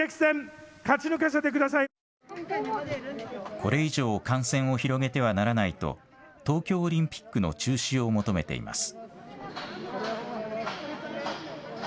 これ以上感染を広げてはならないと東京オリンピックの中止を求めています。